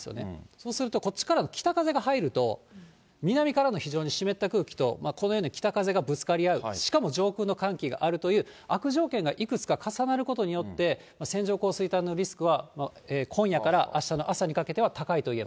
そうすると、こっちからの北風が入ると、南からの非常に湿った空気と、このように北風がぶつかり合う、しかも上空の寒気があるという悪条件がいくつか重なることによって、線状降水帯のリスクは今夜からあしたの朝にかけては高いといえ